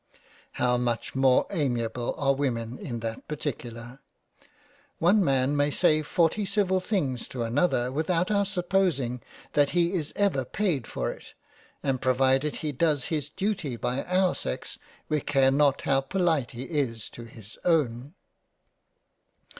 How much more amiable are women in that particular ! One man may say forty civil things to another without our supposing that he is ever paid for it, and pro vided he does his Duty by our sex, we care not how Polite he is to his own.